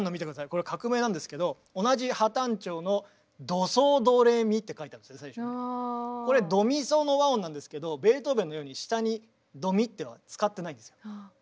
これ「革命」なんですけど同じハ短調のベートーベンのように下に「ドミ」っていうのは使ってないんですよ。